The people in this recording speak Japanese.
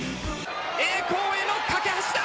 栄光への架け橋だ！